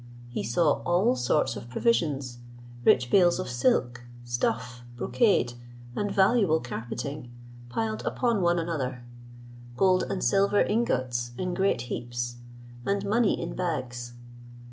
He saw all sorts of provisions, rich bales of silk, stuff, brocade, and valuable carpeting, piled upon one another; gold and silver ingots in great heaps, and money in bags.